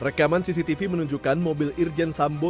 rekaman cctv menunjukkan mobil irjen sambo